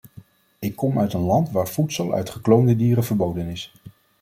Ik kom uit een land waar voedsel uit gekloonde dieren verboden is.